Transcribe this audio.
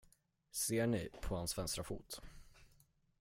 Ser ni på hans vänstra fot?